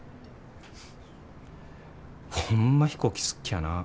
ホンマ飛行機好っきゃなぁ。